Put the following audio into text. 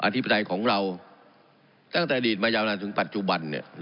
อธิบัติใดของเราตั้งแต่อดีตมายาวนานถึงปัจจุบันเนี่ย